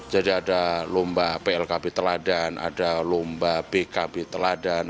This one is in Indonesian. jadi ada lomba plkb teladan ada lomba bkb teladan